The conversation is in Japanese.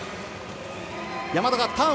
山田がターン。